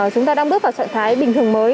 chúng ta đang bước vào trạng thái bình thường mới